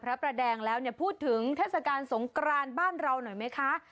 พระประแดงแล้วเนี่ยพูดถึงเทศกาลสงกรานบ้านเราหน่อยไหมคะ